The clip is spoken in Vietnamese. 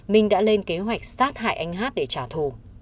minh đã lên kế hoạch sát hại anh hát để trả thù